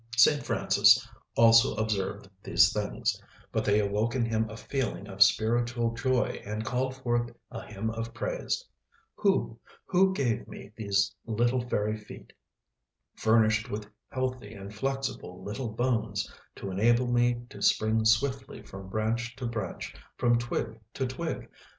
St. Francis also observed these things, but they awoke in him a feeling of spiritual joy and called forth a hymn of praise: "Who, who gave me these little fairy feet, furnished with healthy and flexible little bones, to enable me to spring swiftly from branch to branch, from twig to twig?